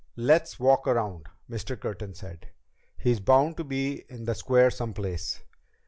"Let's walk around," Mr. Curtin said. "He's bound to be in the square some place."